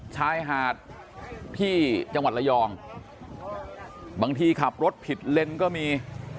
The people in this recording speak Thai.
ชายหาดที่จังหวัดระยองบางทีขับรถผิดเลนก็มี